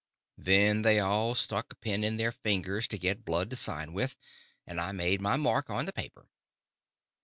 Then they all stuck a pin in their fingers to get blood to sign with, and I made my mark on the paper.